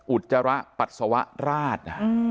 อุจจาระปัศวราช